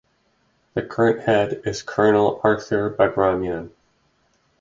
The current head is Colonel Arthur Baghramyan.